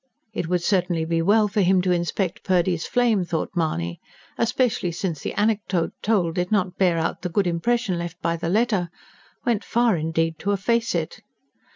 It would certainly be well for him to inspect Purdy's flame, thought Mahony. Especially since the anecdote told did not bear out the good impression left by the letter went far, indeed, to efface it.